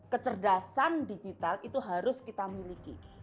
kecerdasan digital itu harus kita miliki